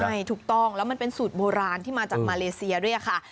ใช่ถูกต้องแล้วมันเป็นสูตรโบราณที่มาจากมาเลเซียด้วยค่ะ